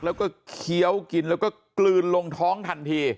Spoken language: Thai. แล้วก็เคี้ยวกินแล้วก็กลืนลงท้องทันที